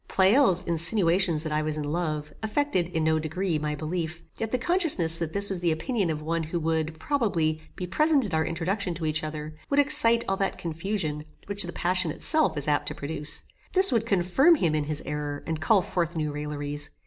Pleyel's insinuations that I was in love, affected, in no degree, my belief, yet the consciousness that this was the opinion of one who would, probably, be present at our introduction to each other, would excite all that confusion which the passion itself is apt to produce. This would confirm him in his error, and call forth new railleries.